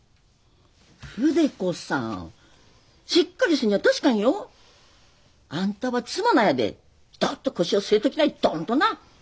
筆子さんしっかりせにゃだしかんよ。あんたは妻なんやでどっと腰を据えときないどんとな。